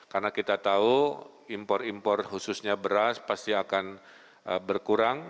karena kita tahu impor impor khususnya beras pasti akan berkurang